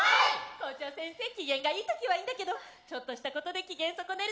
校長先生機嫌がいい時はいいんだけどちょっとしたことで機嫌損ねる